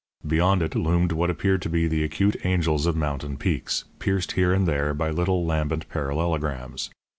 Beyond it loomed what appeared to be the acute angles of mountain peaks, pierced here and there by little lambent parallelograms.